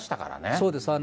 そうです。